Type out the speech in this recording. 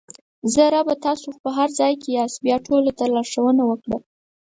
زه: ربه تاسې خو په هر ځای کې یاست بیا ټولو ته لارښوونه وکړه!